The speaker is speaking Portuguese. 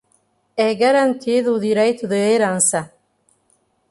é garantido o direito de herança;